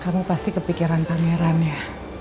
kamu pasti kepikiran pangeran ya